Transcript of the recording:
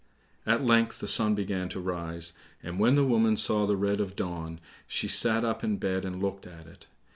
At length the sun began to rise, and when the woman saw the red of dawn, she sat up in bed and looked at it.